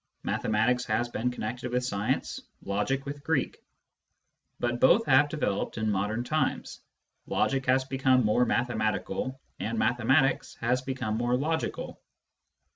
Mathematics has been connected with science, logic with Greek. But both have developed in modern times : logic has become more mathematical and mathematics has become more logical.